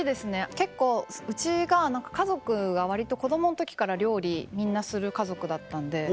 結構うちが何か家族が割と子供の時から料理みんなする家族だったんで。